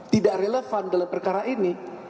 tidak relevan dalam perkara ini